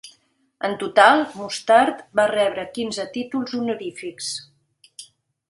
En total, Mustard va rebre quinze títols honorífics.